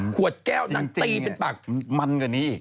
ขวดแก้วนางตีเป็นปากจริงมันกว่านี้